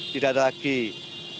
tidak ada lagi persaudaraan